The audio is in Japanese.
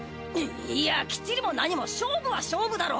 いやきっちりも何も勝負は勝負だろ。